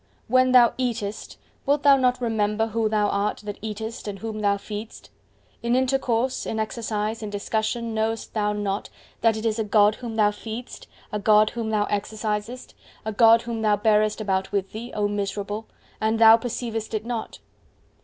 When thou eatest, wilt thou not remember who thou art that eatest and whom thou feedest? In intercourse, in exercise, in discussion knowest thou not that it is a God whom thou feedest, a God whom thou exercisest, a God whom thou bearest about with thee, O miserable! and thou perceivest it not.